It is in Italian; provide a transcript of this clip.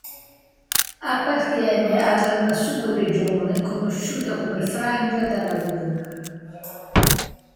Appartiene ad una subregione conosciuta come Frangia d'Aragona.